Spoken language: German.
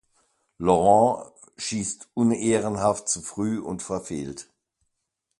Laurent schießt unehrenhaft zu früh und verfehlt.